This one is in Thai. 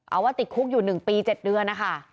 เอาว่าติดคุกอยู่๑ปี๗เดือนนะคะ